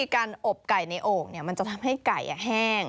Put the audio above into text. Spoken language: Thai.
การอบไก่ในโอ่งมันจะทำให้ไก่แห้ง